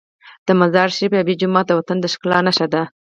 د مزار شریف آبي جومات د وطن د ښکلا نښه ده.